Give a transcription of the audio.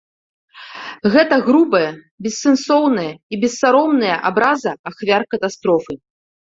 Гэта грубая, бессэнсоўная і бессаромная абраза ахвяр катастрофы.